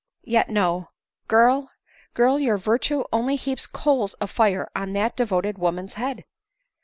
" Yet — no. Girl, girl, your virtue only heaps coals of fire on that devoted woman's head."